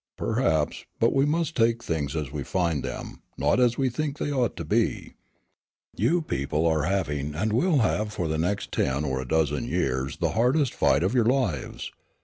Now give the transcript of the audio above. "Perhaps, but we must take things as we find them, not as we think they ought to be. You people are having and will have for the next ten or a dozen years the hardest fight of your lives.